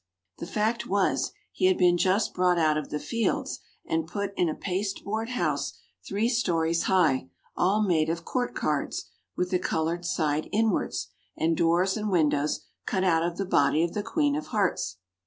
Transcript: The fact was, he had been just brought out of the fields, and put in a pasteboard house, three stories high, all made of court cards, with the colored side inwards; and doors and windows cut out of the body of the Queen of Hearts.